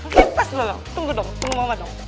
kepes dulu dong